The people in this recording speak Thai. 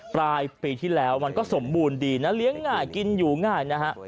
ปลายปีที่แล้วมันก็สมบูรณ์ดีนะเลี้ยงง่ายกินอยู่ง่ายนะฮะ